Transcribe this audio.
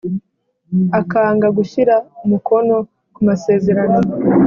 Akanga gushyira umukono ku masezerano